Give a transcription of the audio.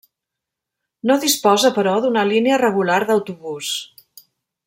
No disposa però d'una línia regular d'autobús.